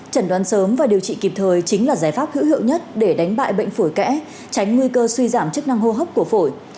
chẩn đoán sớm và điều trị kịp thời chính là giải pháp hữu hiệu nhất để đánh bại bệnh phổi kẽ tránh nguy cơ suy giảm chức năng hô hấp của phổi